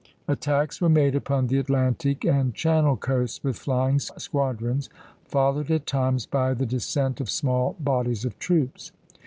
Attacks were made upon the Atlantic and Channel coasts with flying squadrons, followed at times by the descent of small bodies of troops.